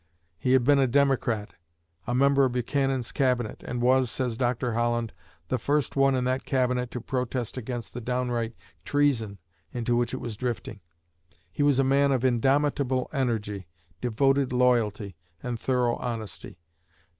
He had been a Democrat, a member of Buchanan's Cabinet, and was, says Dr. Holland, "the first one in that Cabinet to protest against the downright treason into which it was drifting. He was a man of indomitable energy, devoted loyalty, and thorough honesty.